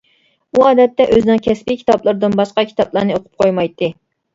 ئۇ ئادەتتە ئۆزىنىڭ كەسپى كىتابلىرىدىن باشقا كىتابلارنى ئوقۇپ قويمايتتى.